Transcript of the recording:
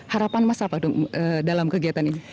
harapan mas apa dalam kegiatan ini